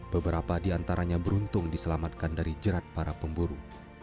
beberapa di antaranya beruntung diselamatkan dari jerat para pemburu